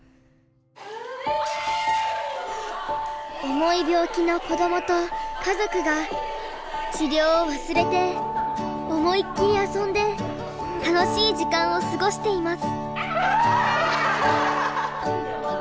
重い病気の子どもと家族が治療を忘れて思い切り遊んで楽しい時間を過ごしています。